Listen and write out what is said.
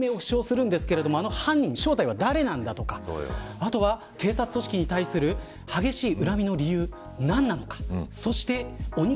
最後、右目を負傷するんですがあの犯人は誰なのかとかあとは、警察組織に対する激しいうらみの理由が何なのか。